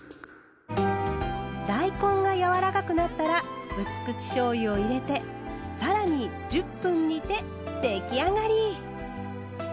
大根がやわらかくなったらうす口しょうゆを入れてさらに１０分煮て出来上がり！